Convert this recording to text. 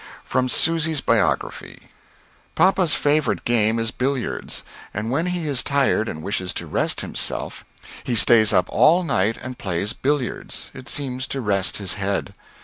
From Susy's Biography. Papa's favorite game is billiards, and when he is tired and wishes to rest himself he stays up all night and plays billiards, it seems to rest his head.